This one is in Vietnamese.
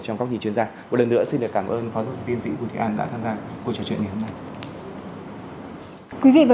trong góc nhìn chuyên gia